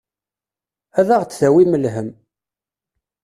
Ad aɣ-d-tawim lhemm.